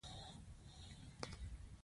په همدې لنډ وخت کې مرګي خپل کار کړی و.